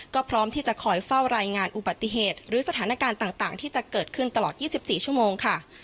ก็พร้อมที่จะคอยเฝ้ารายงานอุบัติเหตุหรือสถานการณ์ต่างที่จะเกิดขึ้นตลอด๒๔ชั่วโมงค่ะ